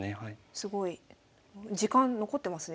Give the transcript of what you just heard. すごい。時間残ってますね